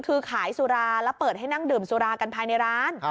คือขายสุราแล้วเปิดให้นั่งดื่มสุรากันภายในร้าน